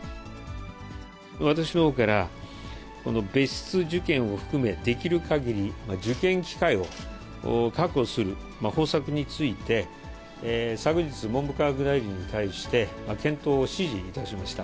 私のほうから、この別室受験を含め、できるかぎり受験機会を確保する方策について、昨日、文部科学大臣に対して、検討を指示いたしました。